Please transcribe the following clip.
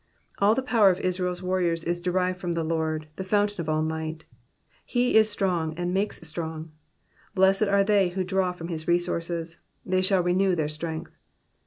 All the power of Israel's warriors is derived from the Lord, the fountain of all might. He is strong, and makes strong : blessed are they who draw from his resources, thej shall renew their strength.